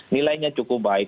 nilainya cukup baik